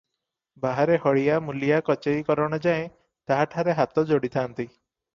ବାହାରେ ହଳିଆ, ମୂଲିଆ, କଚେରୀ କରଣଯାଏ ତାହା ଠାରେ ହାତ ଯୋଡ଼ିଥାନ୍ତି ।